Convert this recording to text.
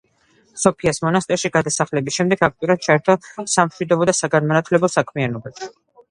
სოფიას მონასტერში გადასახლების შემდეგ აქტიურად ჩაერთო სამშვიდობო და საგანმანათლებლო საქმიანობაში.